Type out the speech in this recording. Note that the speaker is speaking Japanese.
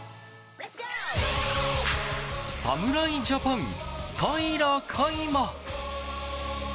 侍ジャパン、平良海馬。